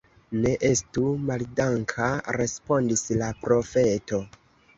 Ne estu maldanka, respondis la profeto.